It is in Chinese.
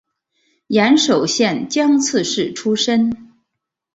岩手县江刺市出身。